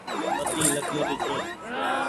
ٻۮي لکيِ ري ڇي